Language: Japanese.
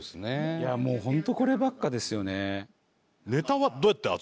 いやもうホントこればっかですよね。